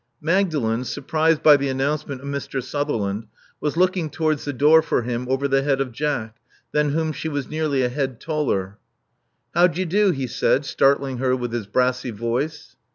Magdalen, surprised by the announcement of Mr. Sutherland, was looking towards the door for him over the head of Jack, than whom she was nearly a head taller. '*How d'ye do? he said, startling her with his brassy voice.